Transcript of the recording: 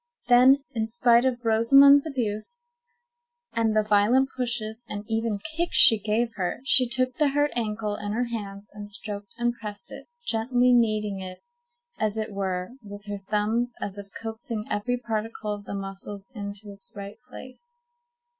Then, in spite of Rosamond's abuse, and the violent pushes and even kicks she gave her, she took the hurt ankle in her hands, and stroked and pressed it, gently kneading it, as it were, with her thumbs, as if coaxing every particle of the muscles into its right place.